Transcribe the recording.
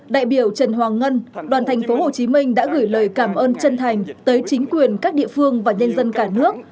đại biểu trần hoàng ngân đoàn thành phố hồ chí minh đã gửi lời cảm ơn chân thành tới chính quyền các địa phương và nhân dân cả nước